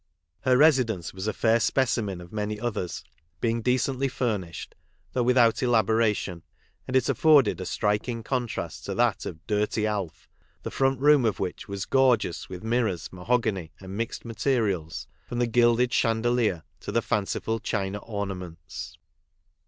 Her residence was a fair specimen of many others, being decently furnished, though without elaboration, and it afforded a striking contrast to that of Dirty Alf, the front room of which was gorgeous with mirrors, mahogany, and mixed materials, from the gilded chandelier to the fanciful 20 CRIMINAL MANCHESTER— CANAL STREET! GINGER LIZ AND COCKNEY JIM. china ornaments.